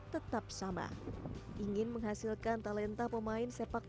sekarang ini anak lagi uji tanding